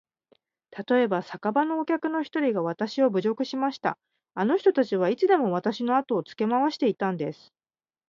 たとえば、酒場のお客の一人がわたしを侮辱しました。あの人たちはいつでもわたしのあとをつけ廻していたんです。